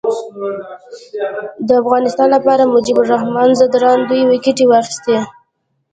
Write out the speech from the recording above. د افغانستان لپاره مجيب الرحمان ځدراڼ دوې ویکټي واخیستي.